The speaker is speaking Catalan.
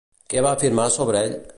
Què va afirmar sobre ell?